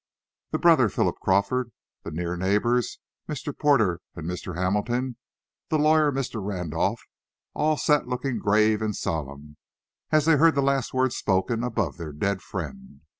The brother, Philip Crawford, the near neighbors, Mr. Porter and Mr. Hamilton, the lawyer, Mr. Randolph, all sat looking grave and solemn as they heard the last words spoken above their dead friend.